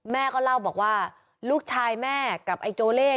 แม่เล่าบอกว่าลูกชายแม่กับโจเร